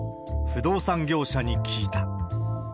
不動産業者に聞いた。